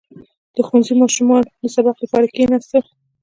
• د ښوونځي ماشومانو د سبق لپاره کښېناستل.